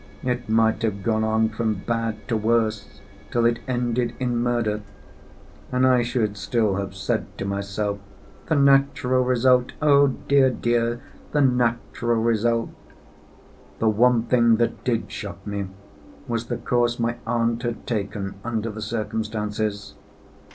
It might have gone on from bad to worse till it ended in Murder; and I should still have said to myself, The natural result! oh, dear, dear, the natural result! The one thing that did shock me was the course my aunt had taken under the circumstances.